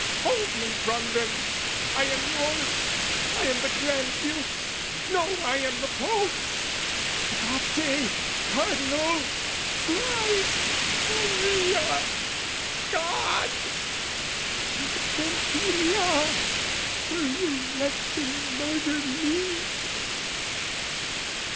Hold me from them! I am yours, I am the Granduke's no, I am the Pope's! Abate, Cardinal, Christ, Maria, God,... Pompilia, will you let them murder me?